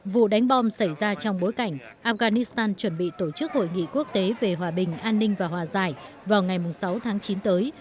vụ đánh bom xảy ra trong bối cảnh afghanistan chuẩn bị tổ chức hội nghị quốc tế về hòa bình an ninh và hòa giải vào ngày sáu tháng chín tới